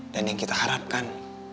dan yang kita harapkan